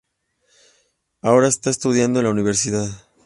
Ahora está estudiando en la universidad.